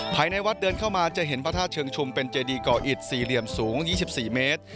ภายในวัดเดินเข้ามาจะเห็นพระธาตุเชิงชุมเป็นเจดีก่ออิดสี่เหลี่ยมสูง๒๔เมตร